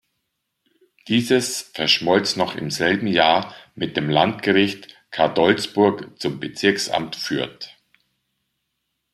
Dieses verschmolz noch im selben Jahr mit dem Landgericht Cadolzburg zum Bezirksamt Fürth.